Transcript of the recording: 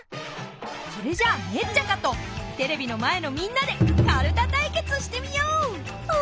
それじゃあメッチャカとテレビの前のみんなでかるた対決してみよう！